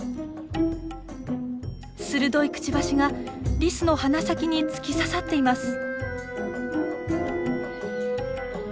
鋭いくちばしがリスの鼻先に突き刺さっています。